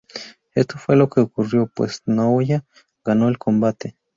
Esto fue lo que ocurrió, pues Naoya ganó el combate.